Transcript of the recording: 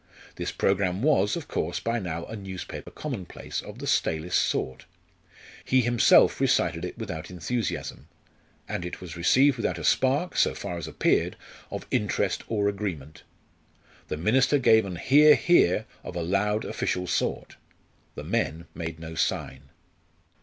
This programme was, of course, by now a newspaper commonplace of the stalest sort. He himself recited it without enthusiasm, and it was received without a spark, so far as appeared, of interest or agreement. The minister gave an "hear, hear," of a loud official sort; the men made no sign.